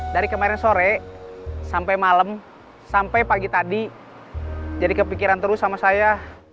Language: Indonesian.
dari kemarin sore sampai malam sampai pagi tadi jadi kepikiran terus sama saya